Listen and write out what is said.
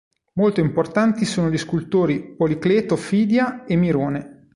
Molto importanti sono gli scultori Policleto Fidia e Mirone.